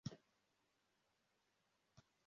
Imbwa yicaye mu modoka ururimi rwayo